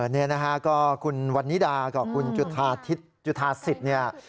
เนี่ยนะคะก็คุณวันนิดากับคุณจุธาสิทธิ์เนี่ย